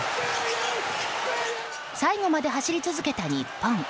最後まで走り続けた日本。